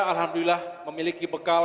alhamdulillah memiliki bekal